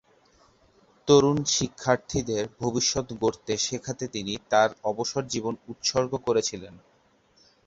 তরুণ শিক্ষার্থীদের ভবিষ্যত গড়তে শেখাতে তিনি তাঁর অবসর জীবন উৎসর্গ করেছিলেন।